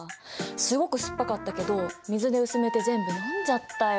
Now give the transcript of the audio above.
すごく酸っぱかったけど水で薄めて全部飲んじゃったよ。